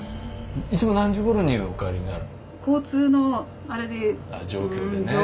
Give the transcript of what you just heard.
いつも何時ごろにお帰りになる？